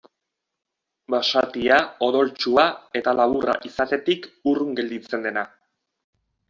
Basatia, odoltsua eta laburra izatetik urrun gelditzen dena.